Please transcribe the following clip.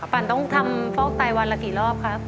ปั่นต้องทำฟอกไตวันละกี่รอบครับ